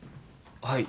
はい。